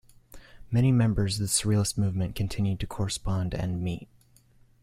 Many members of the Surrealist movement continued to correspond and meet.